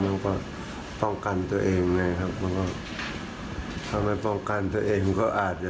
แล้วก็ป้องกันตัวเองไงครับมันก็ถ้าไม่ป้องกันตัวเองก็อาจจะ